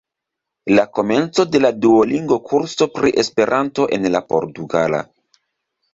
La komenco de la Duolingo-kurso pri Esperanto en la portugala.